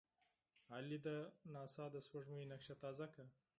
عالي ده! ناسا د سپوږمۍ نقشه تازه کړه.